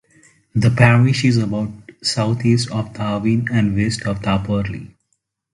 The parish is about south east of Tarvin and west of Tarporley.